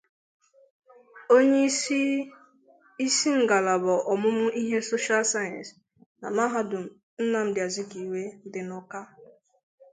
onyeisi isinglaba ọmụmụ ihe 'Social Sciences' na mahadum Nnamdị Azikiwe dị n'Awka